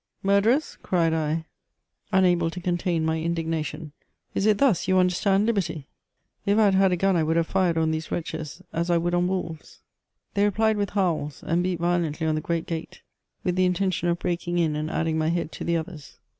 *' Murderers," cried I, unable to contain my indignation, *^is it (iius you understand liberty ?" If I had had a gun I would have fired on these wretches as I would on wolves. They replied with howls ; and beat violently on the great gate, with the intention of breaking in and adding my head to the others.